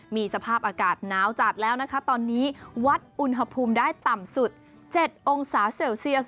มีสภาพอากาศหนาวจัดแล้วนะคะตอนนี้วัดอุณหภูมิได้ต่ำสุด๗องศาเซลเซียส